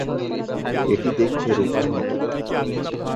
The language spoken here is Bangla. এটি দেখতে রূপার মতো।